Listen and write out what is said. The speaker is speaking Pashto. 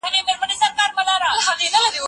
لۀ ما یې یار پۀ پښتو بېل کۀ